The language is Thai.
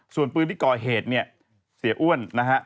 ส่วนปืนที่ก่อเหตุเนี่ยเสียอ้วนนะฮะ